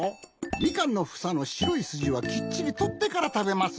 みかんのふさのしろいすじはきっちりとってからたべます！